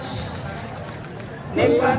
สโลแมคริปราบาล